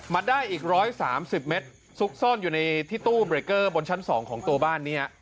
มาได้อีกร้อยสามสิบเมตรซุกซ่อนอยู่ในที่ตู้เบรกเกอร์บนชั้นสองของตัวบ้านเนี้ย